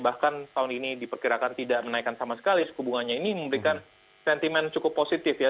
bahkan tahun ini diperkirakan tidak menaikkan sama sekali suku bunganya ini memberikan sentimen cukup positif ya